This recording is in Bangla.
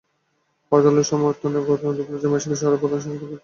হরতালের সমর্থনে গতকাল দুপুরে জামায়াত-শিবির শহরের প্রধান প্রধান সড়কে বিক্ষোভ মিছিল করে।